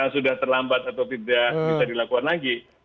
sudah terlambat atau tidak bisa dilakukan lagi